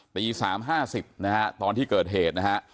ตี๓๕๐นะฮะตอนที่เกิดเหตุนะฮะ